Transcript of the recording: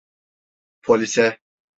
Polise…